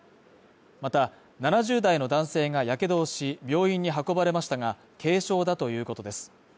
また、７０代の男性がやけどをし、病院に運ばれましたが軽傷だということです。